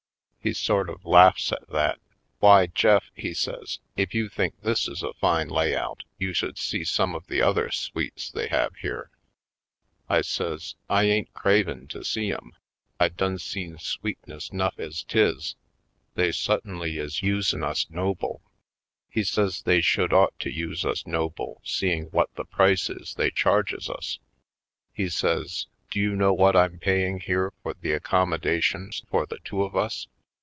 He sort of laughs at that. *Why, Jeff," he says, "if you think this is a line lay out you should see some of the other suites they have here." I says: "I ain't cravin' to see 'em. I done seen sweetness 'nuff ez 'tis. They su'ttinly is usin' us noble." He says they should ought to use us noble Manhattan Isle 47 seeing what the price is they charges us. He says : "Do you know what I'm paying here for the accommodations for the two of us?